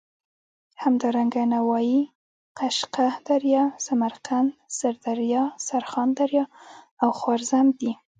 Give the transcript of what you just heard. همدارنګه نوايي، قشقه دریا، سمرقند، سردریا، سرخان دریا او خوارزم دي.